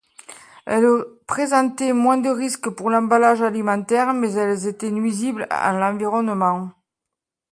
Elles présentaient moins de risques pour l’emballage alimentaire mais elles étaient nuisibles à l'environnement.